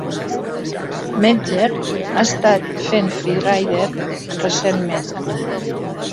Metzger ha estat fent freeride recentment.